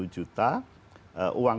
tiga puluh juta uang